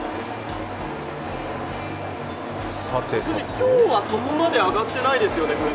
今日はそこまで噴泉上がってないですよね。